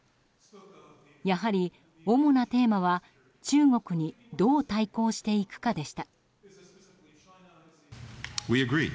やはり主なテーマは、中国にどう対抗していくかでした。